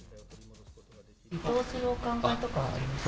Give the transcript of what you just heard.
離党する考えとかはありますか。